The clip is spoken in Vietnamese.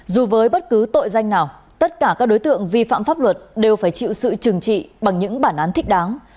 dù với bất cứ tội danh nào tất cả các đối tượng vi phạm pháp luật đều phải chịu sự trừng trị bằng những bản án thích đáng